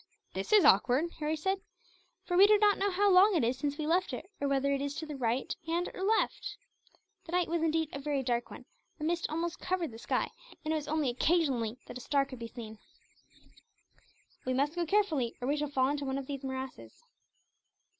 "This is awkward," Harry said, "for we do not know how long it is since we left it, or whether it is to the right hand or left." The night was indeed a very dark one, a mist almost covered the sky, and it was only occasionally that a star could be seen. "We must go carefully, or we shall fall in one of these morasses."